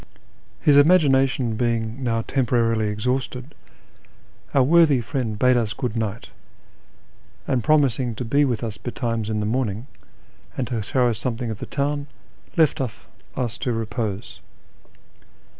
His imagination being now temporarily exhausted, our worthy friend bade us good night ; and, promising to be with us betimes in the morning, and to show us something of the town, left us to repose.